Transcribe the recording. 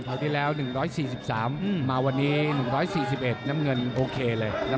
ที่แล้ว๑๔๓มาวันนี้๑๔๑น้ำเงินโอเคเลย